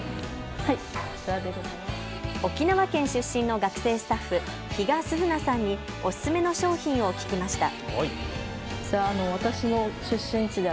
沖縄県出身の学生スタッフ、比嘉涼夏さんにおすすめの商品を聞きました。